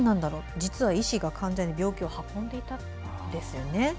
実は医師が患者に病気を運んでいたんですね。